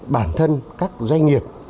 bản thân các doanh nghiệp